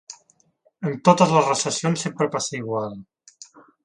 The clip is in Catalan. En totes les recessions sempre passa igual.